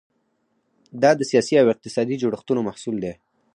دا د سیاسي او اقتصادي جوړښتونو محصول دی.